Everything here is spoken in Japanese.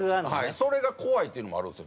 それが怖いっていうのもあるんですよ